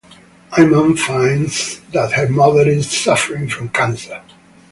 Aiman finds that her mother is suffering from cancer.